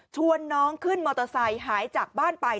ชวนน้องขึ้นมอเตอร์ไซค์หายจากบ้านไป